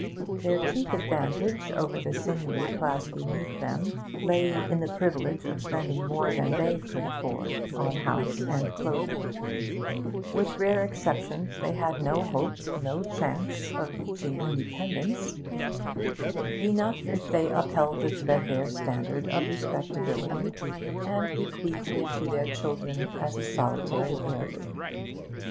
Their chief advantage over the sinewy class beneath them lay in the privilege of spending more than they could afford on house and clothing; with rare exceptions they had no hope, no chance, of reaching independence; enough if they upheld the threadbare standard of respectability, and bequeathed it to their children as a solitary heirloom.